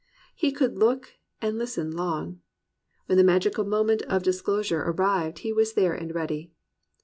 He could look and listen long. When the magical moment of disclosure arrived, he was there and ready.